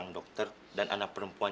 siapa yang akan melihat